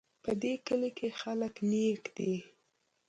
په دې کلي کې خلک نیک دي